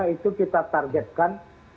itu kita targetkan